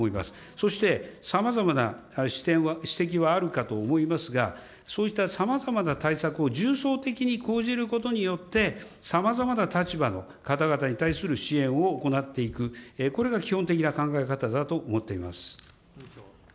そしてさまざまな指摘はあるかと思いますが、そうしたさまざまな対策を重層的に講じることによって、さまざまな立場の方々に対する支援を行っていく、これが基本的な考え方だと思っています。